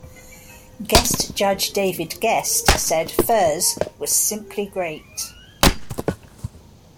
Guest judge David Gest said Furze was simply great.